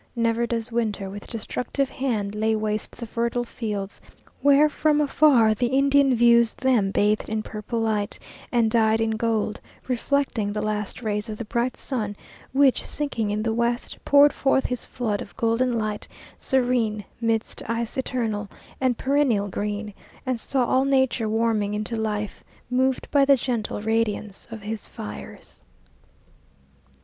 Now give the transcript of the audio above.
Never does winter with destructive hand Lay waste the fertile fields where from afar The Indian views them bathed in purple light And dyed in gold, reflecting the last rays Of the bright sun, which, sinking in the west, Poured forth his flood of golden light, serene Midst ice eternal, and perennial green; And saw all nature warming into life, Moved by the gentle radiance of his fires.